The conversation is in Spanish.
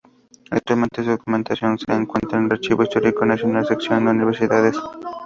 Actualmente esa documentación se encuentra en el Archivo Histórico Nacional, sección Universidades.